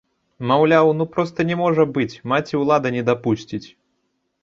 Маўляў, ну проста не можа быць, маці-ўлада не дапусціць!